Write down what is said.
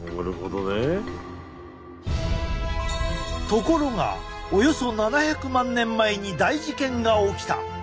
ところがおよそ７００万年前に大事件が起きた。